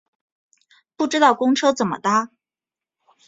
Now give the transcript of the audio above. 不知道公车怎么搭